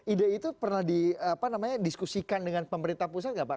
ide itu pernah di apa namanya diskusikan dengan pemerintah pusat enggak pak